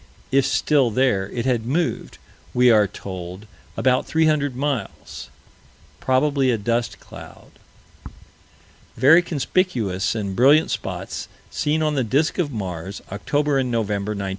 If still there, it had moved, we are told, about 300 miles "probably a dust cloud." Very conspicuous and brilliant spots seen on the disk of Mars, October and November, 1911.